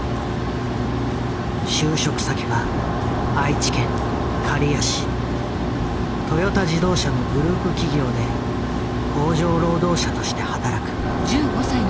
就職先はトヨタ自動車のグループ企業で工場労働者として働く。